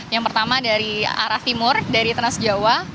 yang pertama dari arah timur dari transjawa